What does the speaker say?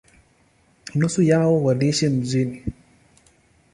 Nusu yao waliishi mjini.